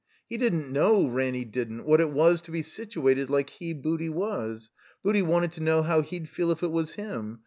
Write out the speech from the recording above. He didn't know, Ranny didn't, what it was to be situated like he. Booty, was. Booty wanted to know how he'd feel if it was him.